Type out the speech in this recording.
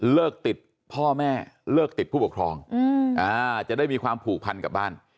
ติดพ่อแม่เลิกติดผู้ปกครองจะได้มีความผูกพันกับบ้าน